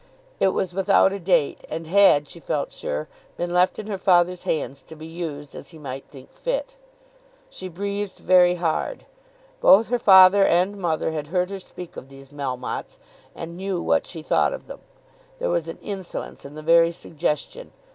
It was without a date, and had, she felt sure, been left in her father's hands to be used as he might think fit. She breathed very hard. Both her father and mother had heard her speak of these Melmottes, and knew what she thought of them. There was an insolence in the very suggestion.